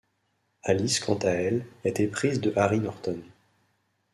Alice quant à elle est éprise de Harry Norton.